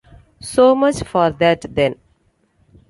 So much for that, then.